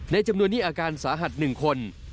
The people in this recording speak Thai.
จำนวนนี้อาการสาหัส๑คน